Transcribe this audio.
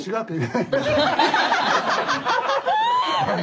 はい。